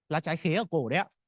lá trái khế ở cổ đấy ạ